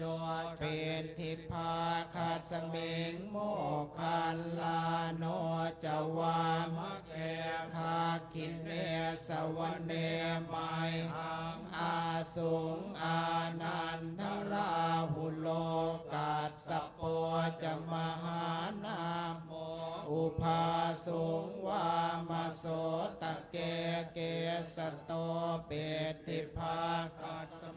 ก้อนทันโยเป็นทิภาขาสมิงโหมคันลาโนจวามแคคิเนสวเนมัยฮังอาสุงอานันทรราฮุโโโกตสปวจมหานามโภภาสุงวามสโตตเกเกสตโเปติภา